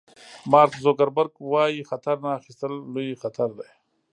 مارک زوګربرګ وایي خطر نه اخیستل لوی خطر دی.